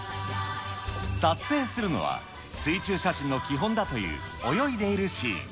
撮影するのは、水中写真の基本だという泳いでいるシーン。